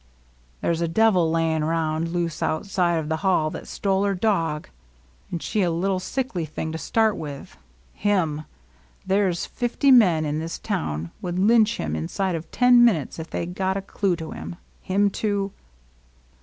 There 's a devil layin' round loose out side of hell that ^tole her dog, — and she a little sickly thing to start with, him ! There 's fifty men in this town would lynch him inside of ten min utes, if they got a clue to him, him to !